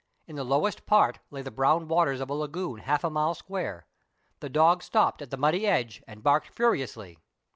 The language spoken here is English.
In the lowest part lay the brown waters of a lagoon half a mile square. The dog stopped at the muddy edge, and barked furiously.